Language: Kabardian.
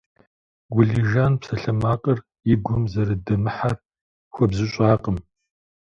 Гулижан псалъэмакъыр и гум зэрыдэмыхьэр хуэбзыщӀакъым.